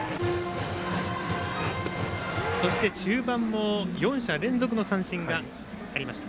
そして、中盤も４者連続の三振がありました。